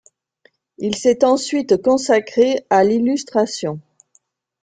Il s'est ensuite consacré à l'illustration.